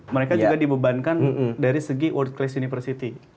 mereka juga dibebankan dari segi world class university